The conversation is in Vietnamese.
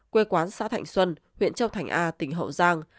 quê quán xã thạnh xuân huyện châu thành a tỉnh hậu giang